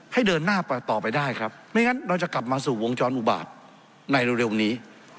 ให้เดินหน้าต่อไปได้ครับไม่งั้นเราจะกลับมาสู่วงจรอุบาตในเร็วนี้